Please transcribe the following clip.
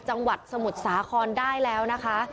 จังหวัดสมุทรสาครได้แล้วนะคะ